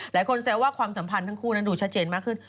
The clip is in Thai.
แซวว่าความสัมพันธ์ทั้งคู่นั้นดูชัดเจนมากขึ้น